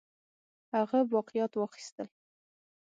هغه باقیات واخیستل.